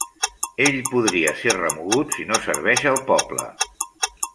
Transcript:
El podria ser remogut si no serveix al poble.